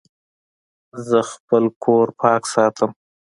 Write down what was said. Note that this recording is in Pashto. زه خپل کور پاک ساتم.